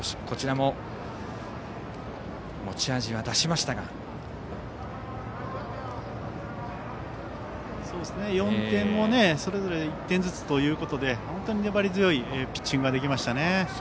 こちらも持ち味は出しましたがそれぞれ１点ずつということで粘り強いピッチングができましたね。